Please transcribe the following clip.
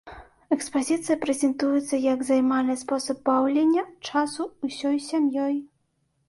Экспазіцыя прэзентуецца як займальны спосаб баўлення часу ўсёй сям'ёй.